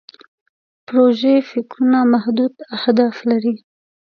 پروژوي فکرونه محدود اهداف لري.